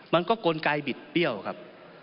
มันก็กลไกบิดเปรี้ยวครับ